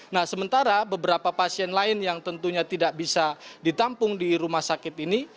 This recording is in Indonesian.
nah sementara beberapa pasien lain yang tentunya tidak bisa ditampung di rumah sakit ini